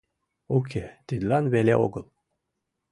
— Уке, тидлан веле огыл.